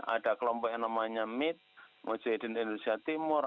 ada kelompok yang namanya mip mujadidin indonesia timur